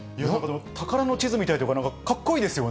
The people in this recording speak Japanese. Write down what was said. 宝の地図みたいというか、かっこいいですよね。